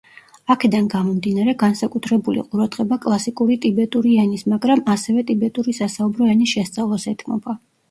აქედან გამომდინარე განსაკუთრებული ყურადღება კლასიკური ტიბეტური ენის, მაგრამ ასევე ტიბეტური სასაუბრო ენის შესწავლას ეთმობა.